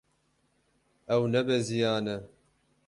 Ew nebeziyane.